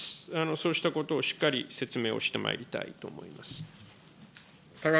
そうしたことをしっかり説明をしてまいりたいと思います。